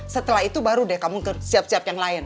setelah itu baru kamu siap siap yang lain